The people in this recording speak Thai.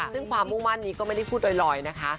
ซึ่งความมุ่งมั่นนี้ก็ไม่ได้พูดลอยนะคะ